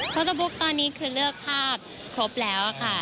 สเตอร์บุ๊กตอนนี้คือเลือกภาพครบแล้วค่ะ